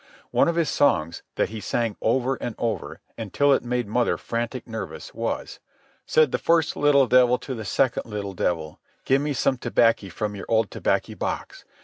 One of his songs, that he sang over and over, until it made mother frantic nervous, was: "Said the first little devil to the second little devil, 'Give me some tobaccy from your old tobaccy box.